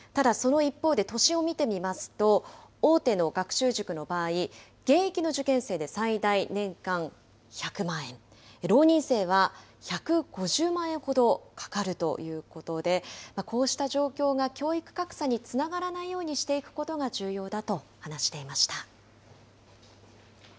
都心を見てみますと、大手の学習塾の場合、現役の受験生で最大年間１００万円、浪人生は１５０万円ほどかかるということで、こうした状況が教育格差につながらないようにしていくことが重要だと話していました。